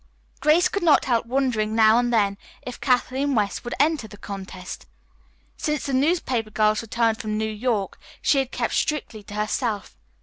Grace could not help wondering now and then if Kathleen West would enter the contest. Since the newspaper girl's return from New York she had kept strictly to herself.